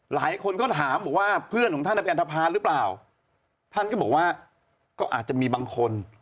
หลายคนก็ถามบอกว่าเพื่อนของท่านเป็นอันทภาหรือเปล่าท่านก็บอกว่าก็อาจจะมีบางคน